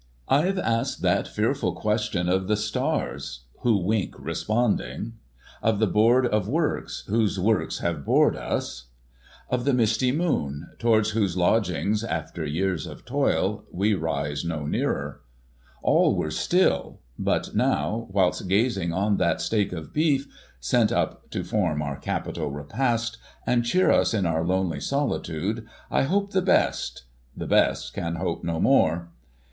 — I've asked that fearful question of the stars, * Who wink responding — of the Board of Works, Whose works have bored us — of the misty moon, Towards whose lodgings, after years of toil, We rise no nearer. All were still, but now, Whilst gazing on that steak of beef, 15 Digitized by VjOOQIC 226 GOSSIP. [1843 Sent up to form our capital repast, And cheer us in our lonely solitude, I hope the best — ^the best can hope no more.